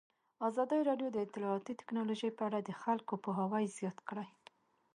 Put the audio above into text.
ازادي راډیو د اطلاعاتی تکنالوژي په اړه د خلکو پوهاوی زیات کړی.